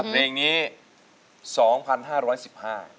เพลงนี้๒๕๑๕บาท